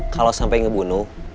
kalau sampai ngebunuh